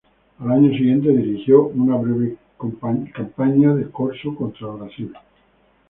Al año siguiente dirigió una breve campaña de corso contra el Brasil.